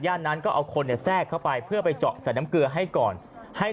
นั้นก็เอาคนเนี่ยแทรกเข้าไปเพื่อไปเจาะใส่น้ำเกลือให้ก่อนให้